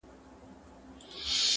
ښوروا مي درکول، پاته نه سوه.